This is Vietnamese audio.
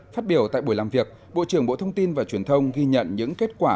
phát biểu tại buổi làm việc bộ trưởng bộ thông tin và truyền thông ghi nhận những kết quả